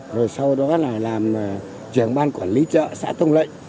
rồi sau đó là làm trưởng ban quản lý chợ xã tông lệnh